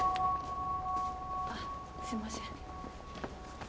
あっすいません。